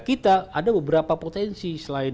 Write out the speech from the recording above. kita ada beberapa potensi selain